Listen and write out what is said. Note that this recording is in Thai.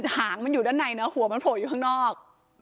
หางมันอยู่ด้านในนะหัวมันโผล่อยู่ข้างนอก